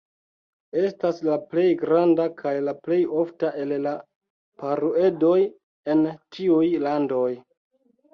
Estas la plej granda kaj la plej ofta el la paruedoj en tiuj landoj.